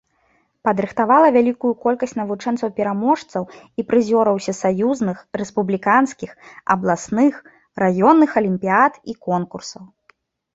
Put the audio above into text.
Падрыхтавала вялікую колькасць навучэнцаў-пераможцаў і прызёраў усесаюзных, рэспубліканскіх, абласных, раённых алімпіяд і конкурсаў.